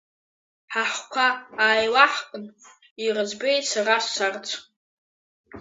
Ҳахқәа ааилаҳкын ирыӡбеит сара сцарц.